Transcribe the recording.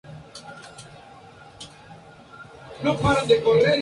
Este terreno se encontraban a las afueras de la puerta de la Carmona.